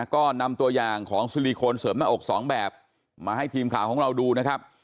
ก็นำตัวอย่างของซิลิโคนเสริมหน้าอกสองแบบมาให้ทีมข่าวของเราดูนะครับ